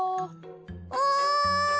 おい！